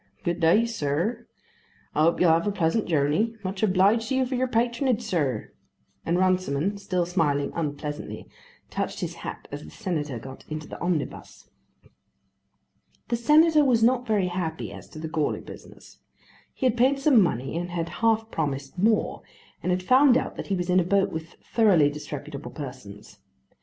Good day, sir; I hope you'll have a pleasant journey. Much obliged to you for your patronage, sir," and Runciman, still smiling unpleasantly, touched his hat as the Senator got into the omnibus. The Senator was not very happy as to the Goarly business. He had paid some money and had half promised more, and had found out that he was in a boat with thoroughly disreputable persons.